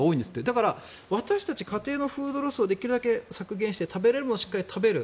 だから私たち家庭のフードロスをできるだけ削減して食べられるものをしっかり食べる。